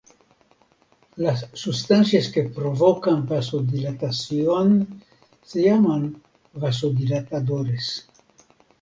Las sustancias que provocan vasodilatación se llaman vasodilatadores.